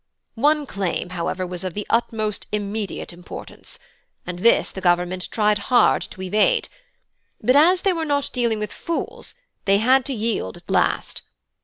One claim, however, was of the utmost immediate importance, and this the Government tried hard to evade; but as they were not dealing with fools, they had to yield at last.